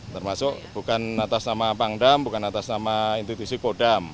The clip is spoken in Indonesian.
termasuk bukan atas nama pangdam bukan atas nama institusi kodam